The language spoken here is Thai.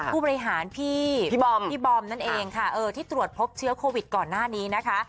ผู้บริหารพี่บอมพี่บอมนั่นเองค่ะที่ตรวจพบเชื้อโควิดก่อนหน้านี้นะคะ